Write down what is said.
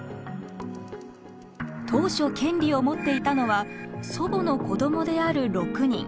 当初権利を持っていたのは祖母の子供である６人。